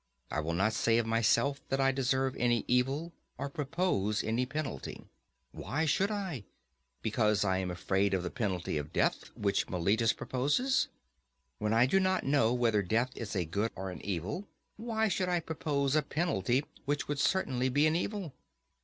I will not say of myself that I deserve any evil, or propose any penalty. Why should I? because I am afraid of the penalty of death which Meletus proposes? When I do not know whether death is a good or an evil, why should I propose a penalty which would certainly be an evil?